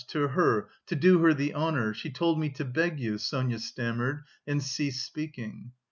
to her... to do her the honour... she told me to beg you..." Sonia stammered and ceased speaking.